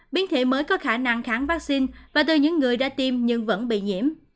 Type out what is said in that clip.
biến thể mới có khả năng kháng vaccine và từ những người đã tiêm nhưng vẫn bị nhiễm